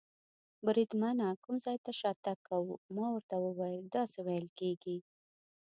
بریدمنه، کوم ځای ته شاتګ کوو؟ ما ورته وویل: داسې وېل کېږي.